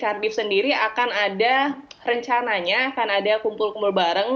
karena cardiff sendiri akan ada rencananya akan ada kumpul kumpul bareng